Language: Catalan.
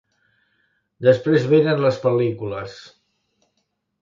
Després venen les pel·lícules.